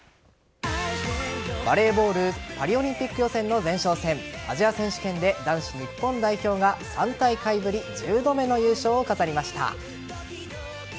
バレーボールパリオリンピック予選の前哨戦アジア選手権で男子日本代表が３大会ぶり１０度目の優勝を飾りました。